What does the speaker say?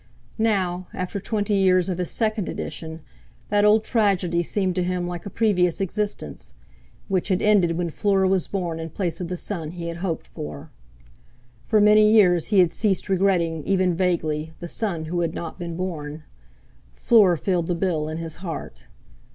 Now, after twenty years of his second edition, that old tragedy seemed to him like a previous existence—which had ended when Fleur was born in place of the son he had hoped for. For many years he had ceased regretting, even vaguely, the son who had not been born; Fleur filled the bill in his heart.